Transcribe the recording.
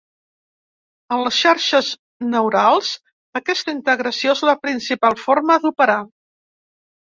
En les xarxes neurals, aquesta integració és la principal forma d'operar.